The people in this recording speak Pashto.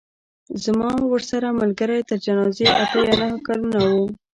زما ورسره ملګرۍ تر جنازې اته یا نهه کلونه وه.